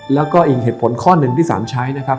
แล้วก็อีกเหตุผลข้อหนึ่งที่สารใช้นะครับ